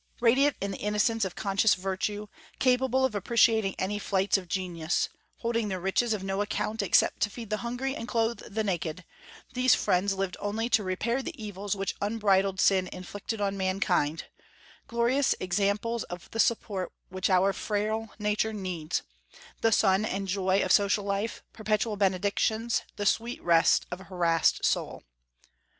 Radiant in the innocence of conscious virtue, capable of appreciating any flights of genius, holding their riches of no account except to feed the hungry and clothe the naked, these friends lived only to repair the evils which unbridled sin inflicted on mankind, glorious examples of the support which our frail nature needs, the sun and joy of social life, perpetual benedictions, the sweet rest of a harassed soul.